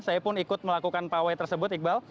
saya pun ikut melakukan pawai tersebut iqbal